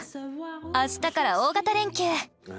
明日から大型連休！